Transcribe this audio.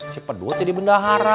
si pedot jadi bendahara